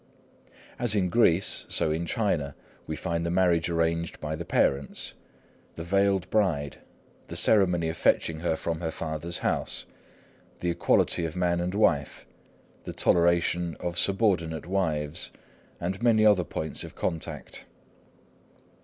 As in Greece, so in China, we find the marriage arranged by the parents; the veiled bride; the ceremony of fetching her from her father's house; the equality of man and wife; the toleration of subordinate wives, and many other points of contact.